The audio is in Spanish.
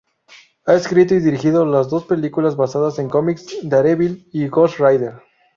Ha escrito y dirigido las dos películas basadas en cómics Daredevil y Ghost Rider.